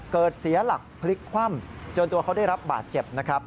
เสียหลักพลิกคว่ำจนตัวเขาได้รับบาดเจ็บนะครับ